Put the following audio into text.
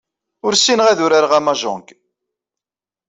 Ur ssineɣ ad urareɣ amahjong.